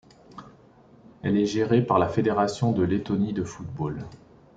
Elle est gérée par la Fédération de Lettonie de football.